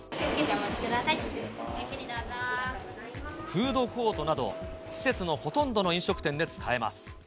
フードコートなど、施設のほとんどの飲食店で使えます。